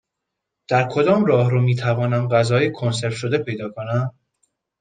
در کدام راهرو می توانم غذای کنسرو شده پیدا کنم؟